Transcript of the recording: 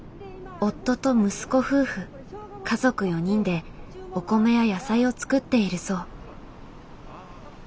夫と息子夫婦家族４人でお米や野菜をつくっているそう。